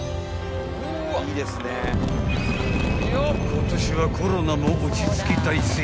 ［今年はコロナも落ち着き大盛況］